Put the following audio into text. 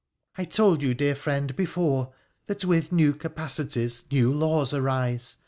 ' I told you, dear friend, before, that with new capacities new laws arise.